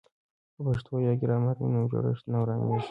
که پښویه یا ګرامر وي نو جوړښت نه ورانیږي.